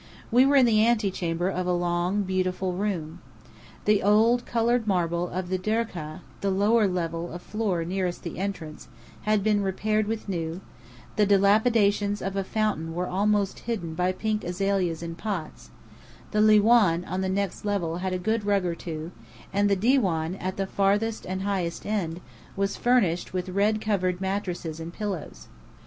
We were in the antechamber of a long, beautiful room. The old, coloured marble of the durkááh the lower level of floor nearest the entrance had been repaired with new; the dilapidations of a fountain were almost hidden by pink azaleas in pots; the liwán, on the next level, had a good rug or two; and the diwáán, at the farthest and highest end, was furnished with red covered mattresses and pillows.